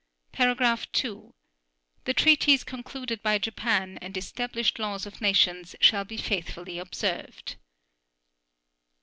(2) The treaties concluded by Japan and established laws of nations shall be faithfully observed.